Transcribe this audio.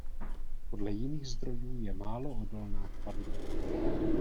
Podle jiných zdrojů je málo odolná k padlí.